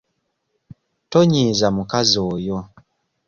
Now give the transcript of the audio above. Tonyiiza mukazi oyo.